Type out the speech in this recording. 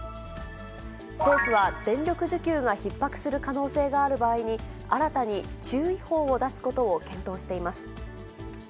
政府は電力需給がひっ迫する可能性がある場合に、新たに注意報を出すことを検討しています。